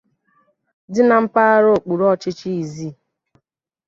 dị na mpaghara okpuru ọchịchi Izii